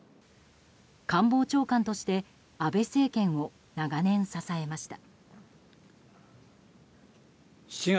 官房長官として安倍政権を長年、支えました。